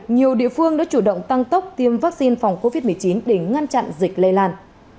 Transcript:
nhiều địa phương đã chủ động tăng tốc tiêm vaccine phòng covid một mươi chín để ngăn chặn dịch lây lan